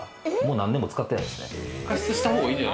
何年も使ってないですね。